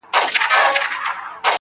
يواځي په ايران کي د تېر نوروز